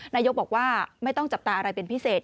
นายกบอกว่าไม่ต้องจับตาอะไรเป็นพิเศษ